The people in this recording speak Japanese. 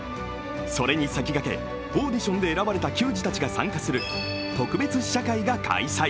それに先駆け、オーディションで選ばれた球児たちが参加する特別試写会が開催。